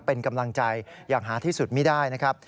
เป็นกำลังใจอย่างหาที่สุดไม่ได้นะครับ